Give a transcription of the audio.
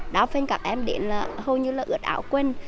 đáp ứng các em đến là hầu như là ướt áo quen